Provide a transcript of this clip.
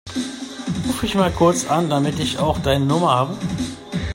Ruf mich mal kurz an, damit ich auch deine Nummer habe.